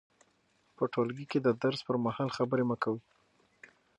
په ټولګي کې د درس پر مهال خبرې مه کوئ.